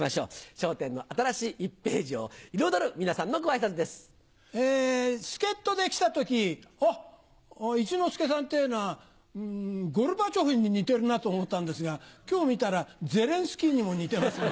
笑点の新しい１ページを彩る皆さえー、助っとで来たとき、あっ、一之輔さんっていうのは、ゴルバチョフに似てるなと思ったんですが、きょう見たら、ゼレンスキーにも似てますね。